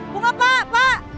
bunga pak pak